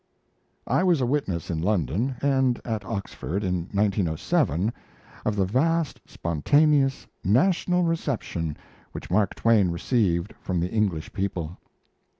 I was a witness in London, and at Oxford, in 1907, of the vast, spontaneous, national reception which Mark Twain received from the English people.